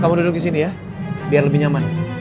kamu duduk di sini ya biar lebih nyaman